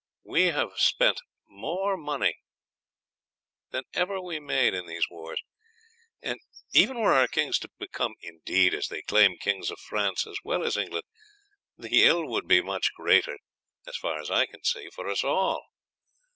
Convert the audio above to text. We have spent more money than ever we made in these wars, and even were our kings to become indeed, as they claim, kings of France as well as England, the ill would be much greater, as far as I can see, for us all.